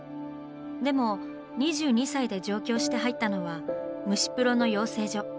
でも２２歳で上京して入ったのは虫プロの養成所。